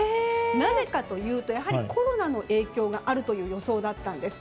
なぜかというと、やはりコロナの影響があるという予想だったんです。